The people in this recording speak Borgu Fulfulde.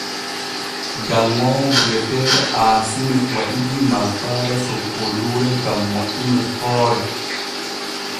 Janŋoowo bi’eteeɗo Aasimi waɗidii malfaare soppooduure gam moƴƴinol hoore.